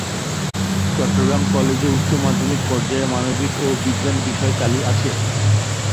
চট্টগ্রাম কলেজে উচ্চ মাধ্যমিক পর্যায়ে মানবিক এবং বিজ্ঞান বিষয় চালু আছে।